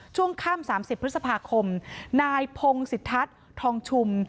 ช่วงค่ำ๓๐พฤษภาคมนายพงศิทัศน์ทองชุม